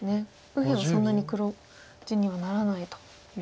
右辺はそんなに黒地にはならないということですか。